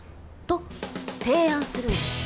と提案するんです